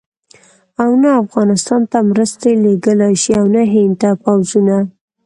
او نه افغانستان ته مرستې لېږلای شي او نه هند ته پوځونه.